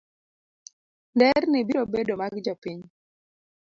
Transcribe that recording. nderni biro bedo mag jopiny.